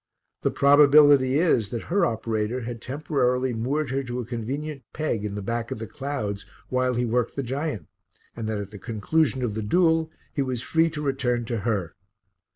The probability is that her operator had temporarily moored her to a convenient peg in the back of the clouds while he worked the giant, and that at the conclusion of the duel he was free to return to her.